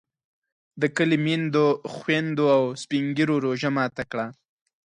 د کلي میندو، خویندو او سپین ږیرو روژه ماته کړه.